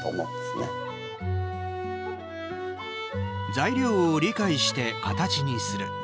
材料を理解して形にする。